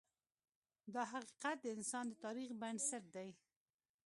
دا حقیقت د انسان د تاریخ بنسټ دی.